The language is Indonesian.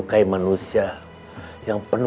relatives di kamera